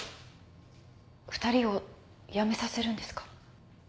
二人を辞めさせるんですか？